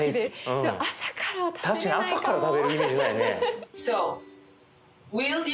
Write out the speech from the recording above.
確かに朝から食べるイメージないね。